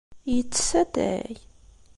Yettess atay?